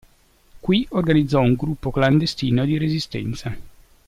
Qui organizzò un gruppo clandestino di resistenza.